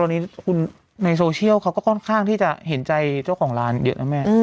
ตอนนี้คุณในโซเชียลเขาก็ค่อนข้างที่จะเห็นใจเจ้าของร้านเยอะนะแม่